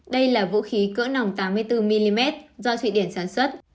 đây là vũ khí cỡ nòng tám mươi bốn mm do thụy điển sản xuất